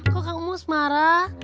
kok kang umus marah